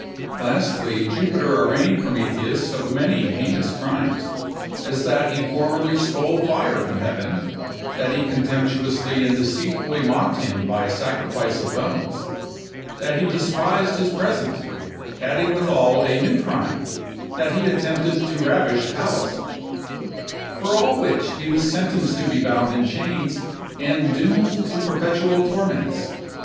Lastly, Jupiter arraigned Prometheus of many heinous crimes; as that he formerly stole fire from heaven; that he contemptuously and deceitfully mocked him by a sacrifice of bones; that he despised his present, adding withal a new crime, that he attempted to ravish Pallas; for all which, he was sentenced to be bound in chains, and doomed to perpetual torments.